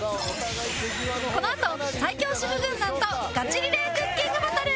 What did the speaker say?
このあと最強主婦軍団とガチリレークッキングバトル